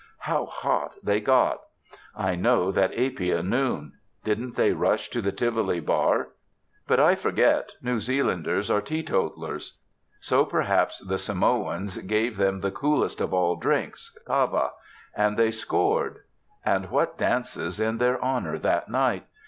How hot they got! I know that Apia noon. Didn't they rush to the Tivoli bar but I forget, New Zealanders are teetotalers. So, perhaps, the Samoans gave them the coolest of all drinks, kava; and they scored. And what dances in their honour, that night!